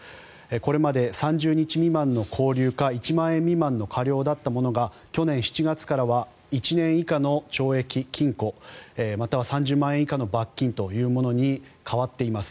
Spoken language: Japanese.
これまで３０日未満の拘留か１万円未満の科料だったものが去年７月からは１年以下の懲役・禁錮または３０万円以下の罰金というものに変わっています。